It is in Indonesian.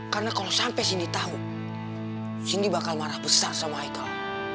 karena kalau sampai cindy tahu cindy bakal marah besar sama michael